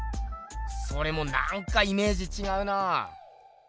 それもなんかイメージ違うなぁ。